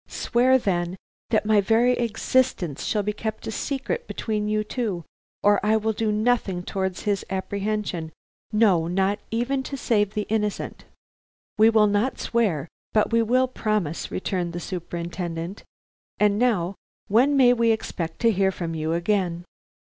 Swear, then, that my very existence shall be kept a secret between you two, or I will do nothing towards his apprehension, no, not even to save the innocent." "We will not swear, but we will promise," returned the Superintendent. "And now, when may we expect to hear from you again?"